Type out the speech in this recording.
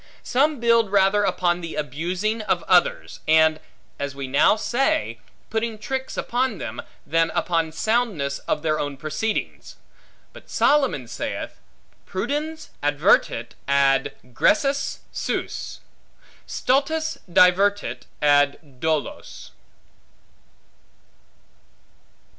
Some build rather upon the abusing of others, and (as we now say) putting tricks upon them, than upon soundness of their own proceedings. But Solomon saith, Prudens advertit ad gressus suos; stultus divertit ad dolos.